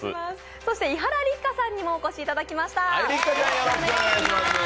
そして、伊原六花さんにもお越しいただきました。